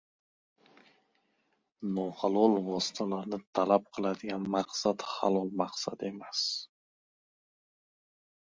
…Nohalol vositalarni talab qiladigan maqsad halol maqsad emas…